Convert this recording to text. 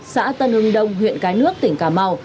xã tân hưng đông huyện cái nước tỉnh cà mau